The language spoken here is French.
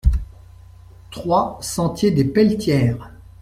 trois sentier des Pelletières